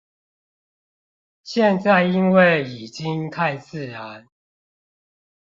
現在因為已經太自然